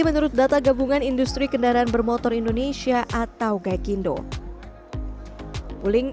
menurut data gabungan industri kendaraan bermotor indonesia atau kayak indo puling